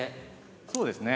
そうですね。